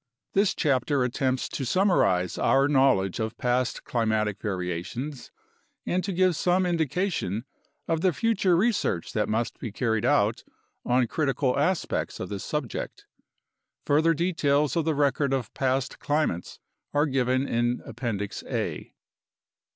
This chapter attempts to summarize our knowledge of past climatic variations and to give some indication of the further research that must be carried out on critical aspects of this subject. Further details of the record of past climates are given in Appendix A.